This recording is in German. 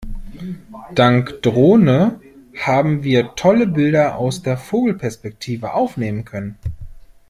Dank Drohne haben wir tolle Bilder aus der Vogelperspektive aufnehmen können.